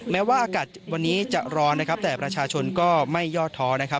แม้ว่าอากาศวันนี้จะร้อนนะครับแต่ประชาชนก็ไม่ยอดท้อนะครับ